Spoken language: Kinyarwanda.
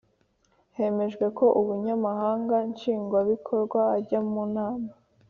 Hemejwe ko Ubunyamabanga nshingwabikorwa ajya munama